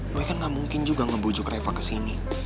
gue kan gak mungkin juga ngebujuk reva kesini